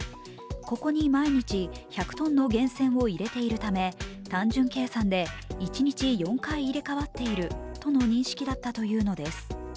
ここに毎日１００ｔの源泉を入れているため単純計算で一日４回入れ替わっているとの認識だったというのです。